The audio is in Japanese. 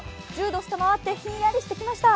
１０度を下回ってひんやりしてきました。